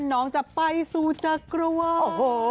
น้องจะไปสู่จักรวาล